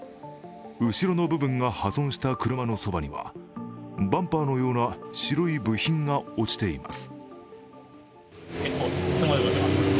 後ろの部分が破損した車のそばにはバンパーのような白い部品が落ちています。